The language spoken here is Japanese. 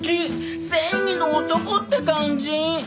正義の男って感じ！